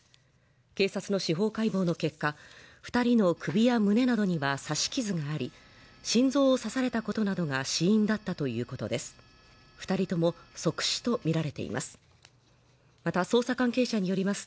警察の司法解剖の結果二人の首や胸などには刺し傷があり心臓を刺されたことなどが死因だったということです